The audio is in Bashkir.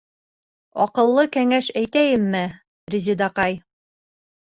Аҡыллы кәңәш әйтәйемме, Резедаҡай?